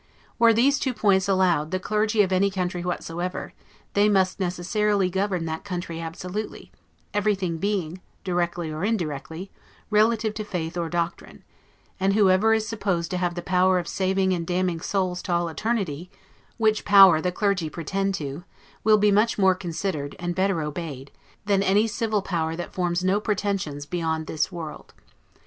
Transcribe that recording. Were those two points allowed the clergy of any country whatsoever, they must necessarily govern that country absolutely; everything being, directly or indirectly, relative to faith or doctrine; and whoever is supposed to have the power of saving and damning souls to all eternity (which power the clergy pretend to), will be much more considered, and better obeyed, than any civil power that forms no pretensions beyond this world.